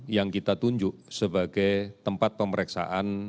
yang kita tunjuk sebagai tempat pemeriksaan